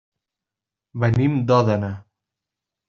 Venim d'Òdena.